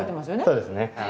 そうですね。